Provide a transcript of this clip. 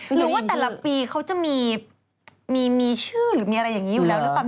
หรือว่าแต่ละปีเขาจะมีชื่อหรือมีอะไรอย่างนี้อยู่แล้วหรือเปล่า